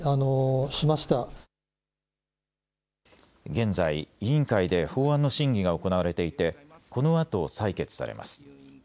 現在、委員会で法案の審議が行われていてこのあと採決されます。